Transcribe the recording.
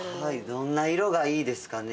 どんな色がいいですかね。